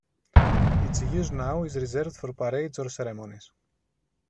Its use now is reserved for parades or ceremonies.